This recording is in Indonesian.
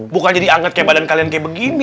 bukan jadi anget kayak badan kalian kayak begini